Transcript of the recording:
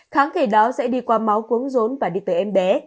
kháng thể đó sẽ đi qua máu quấn rốn và đi tới em bé